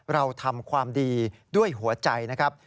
เราทำความดีด้วยหัวใจนะครับ